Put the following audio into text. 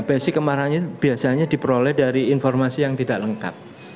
basic kemarin biasanya diperoleh dari informasi yang tidak lengkap